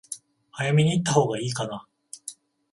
早めに行ったほうが良いかな？